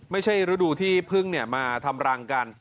ไม่ใช่ฤดูที่พึ่งมาทำรังกัน